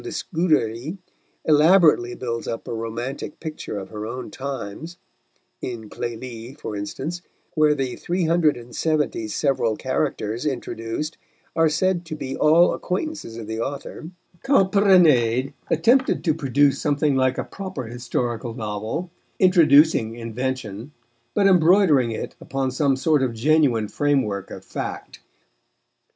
de Scudéry elaborately builds up a romantic picture of her own times (in Clélie, for instance, where the three hundred and seventy several characters introduced are said to be all acquaintances of the author), Calprenède attempted to produce something like a proper historical novel, introducing invention, but embroidering it upon some sort of genuine framework of fact.